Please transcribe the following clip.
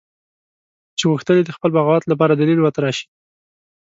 چې غوښتل یې د خپل بغاوت لپاره دلیل وتراشي.